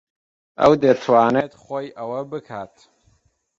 ئەو دەتوانێت خۆی ئەوە بکات.